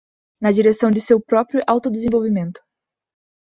na direção de seu próprio autodesenvolvimento